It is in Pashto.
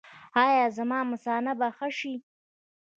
ایا زما مثانه به ښه شي؟